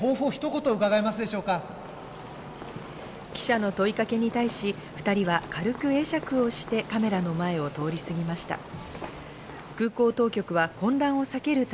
記者の問いかけに対し、２人は軽く会釈をしてカメラの前を通り過ぎました。